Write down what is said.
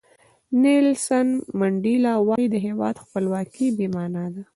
نیلسن منډیلا وایي د هیواد خپلواکي بې معنا ده.